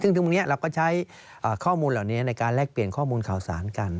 ซึ่งตรงนี้เราก็ใช้ข้อมูลเหล่านี้ในการแลกเปลี่ยนข้อมูลข่าวสารกัน